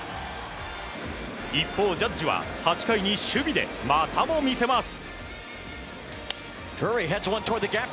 一方、ジャッジは８回に守備でまたも見せます。